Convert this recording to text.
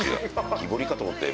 木彫りかと思ったよ